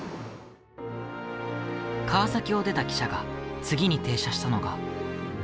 川崎を出た汽車が次に停車したのが。